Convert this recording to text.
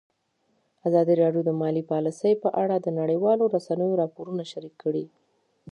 ازادي راډیو د مالي پالیسي په اړه د نړیوالو رسنیو راپورونه شریک کړي.